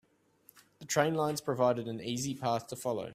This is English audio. The train lines provided an easy path to follow.